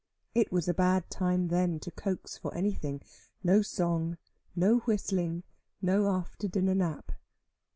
It was a bad time then to coax for anything no song, no whistling, no after dinner nap.